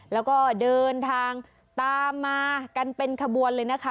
แล้วก็เดินทางตามมากันเป็นขบวนเลยนะคะ